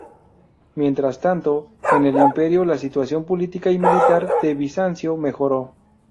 Mientras tanto, en el Imperio la situación política y militar de Bizancio mejoró.